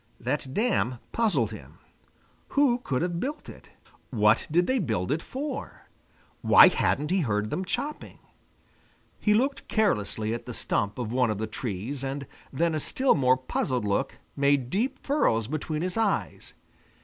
That dam puzzled him. Who could have built it? What did they build it for? Why hadn't he heard them chopping? He looked carelessly at the stump of one of the trees, and then a still more puzzled look made deep furrows between his eyes.